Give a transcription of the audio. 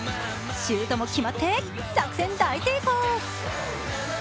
シュートも決まって作戦大成功！